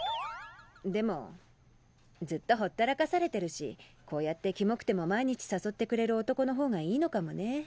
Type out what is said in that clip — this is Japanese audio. でもずっとほったらかされてるしこうやってキモくても毎日誘ってくれる男の方がいいのかもね。